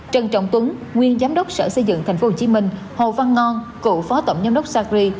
trần trọng tuấn nguyên giám đốc sở xây dựng tp hcm hồ văn ngon cựu phó tổng giám đốc sacri